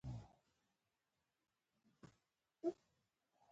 ما خپلې مرستې ته د هغه پام راوڅکاوه.